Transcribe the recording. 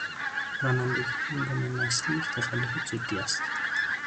رانندگی هنگام مستی یک تخلف جدی است.